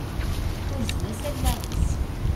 Urzen-as allaɣ-is.